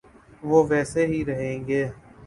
‘وہ ویسے ہی رہیں گے۔